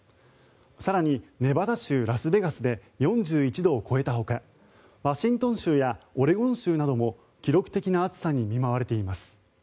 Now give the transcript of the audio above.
更に、ネバダ州ラスベガスで４１度を超えたほかワシントン州やオレゴン州なども記録的な暑さに見舞われています。